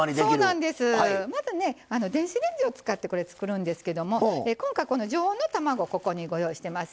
またね、電子レンジを使ってこれ、作るんですけども今回、常温の卵を用意しています。